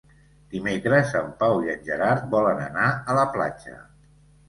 Dimecres en Pau i en Gerard volen anar a la platja.